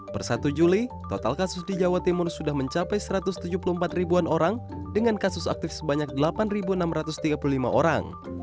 per satu juli total kasus di jawa timur sudah mencapai satu ratus tujuh puluh empat ribuan orang dengan kasus aktif sebanyak delapan enam ratus tiga puluh lima orang